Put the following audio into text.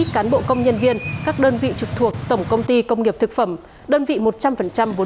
cán bộ công nhân viên các đơn vị trực thuộc tổng công ty công nghiệp thực phẩm đơn vị một trăm linh vốn